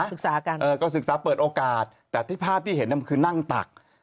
ศึกษากันเออก็ศึกษาเปิดโอกาสแต่ที่ภาพที่เห็นมันคือนั่งตัก